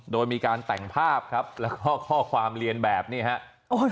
โดยมีการแต่งภาพครับแล้วก็ข้อความเรียนแบบนี้ครับ